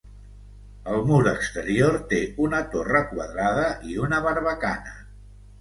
El mur exterior té una torre quadrada i una barbacana.